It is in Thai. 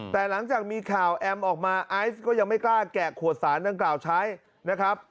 แต่หลังจากมีข่าวแอมออกมาไอซ์ก็ยังไม่กล้าแกะขวดสารดังกล่าวใช้นะครับ